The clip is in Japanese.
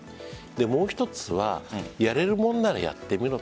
もう１つはやれるもんならやってみろ。